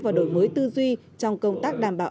và đổi mới tư duy trong công tác đảm bảo